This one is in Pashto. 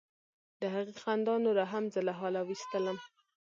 د هغې خندا نوره هم زه له حاله ویستلم.